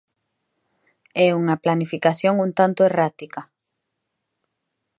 É unha planificación un tanto errática.